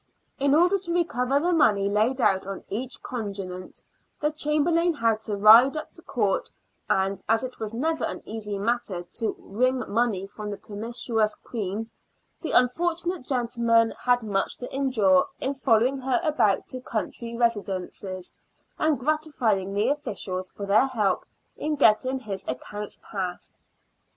In order to recover the money laid out on each contingent, the Chamberlain had to ride up to Court, and, as it was never an easy matter to wring money from the penurious Queen, the unfortunate gentleman had much to endure in following her about to country residences, and " gratifying " officials for their help in getting his accounts passed.